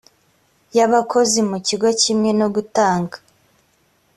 y abakozi mu kigo kimwe no gutanga